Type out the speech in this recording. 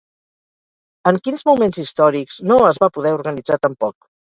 En quins moments històrics no es va poder organitzar tampoc?